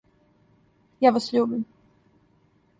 Ја вас љубим.